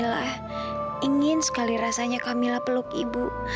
saya ingin sekali rasanya kamila peluk ibu